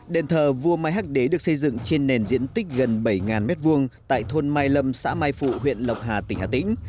đền thờ vua mai hắc đế được xây dựng trên nền diện tích gần bảy m hai tại thôn mai lâm xã mai phụ huyện lộc hà tỉnh hà tĩnh